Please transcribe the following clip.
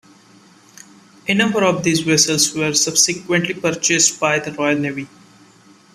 A number of these vessels were subsequently purchased by the Royal Navy.